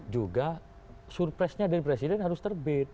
juga surprise nya dari presiden harus terbit